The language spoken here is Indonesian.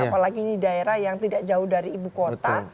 apalagi ini daerah yang tidak jauh dari ibu kota